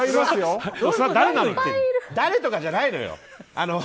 誰とかじゃないのよ。